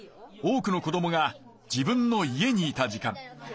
多くの子どもが自分の家にいた時間。